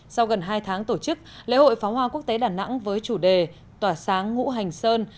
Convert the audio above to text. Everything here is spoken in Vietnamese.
sau gần hai tháng tổ chức lễ hội pháo hoa quốc tế đà nẵng với chủ đề tỏa sáng ngũ hành sơn